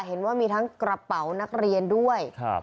เห็นว่ามีทั้งกระเป๋านักเรียนด้วย